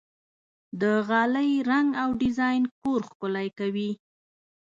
د غالۍ رنګ او ډیزاین کور ښکلی کوي.